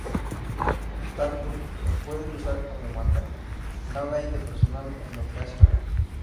Tanto "pueden besar como matar", nada hay de personal en lo que hacen.